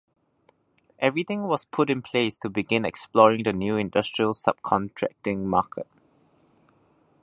Everything was put in place to begin exploring the new industrial subcontracting market.